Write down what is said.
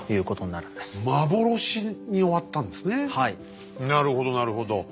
なるほどなるほど。